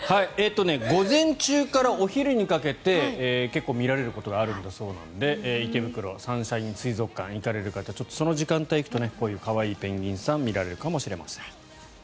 午前中からお昼にかけて結構見られることがあるんだそうなので池袋のサンシャイン水族館行かれる方ちょっとその時間帯に行くとこういう可愛いペンギンさん見られるかもしれません。